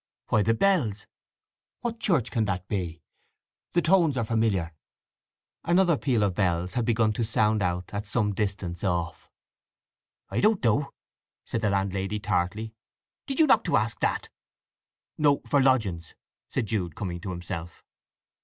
"Why the bells—what church can that be? The tones are familiar." Another peal of bells had begun to sound out at some distance off. "I don't know!" said the landlady tartly. "Did you knock to ask that?" "No; for lodgings," said Jude, coming to himself.